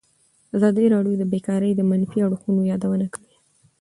ازادي راډیو د بیکاري د منفي اړخونو یادونه کړې.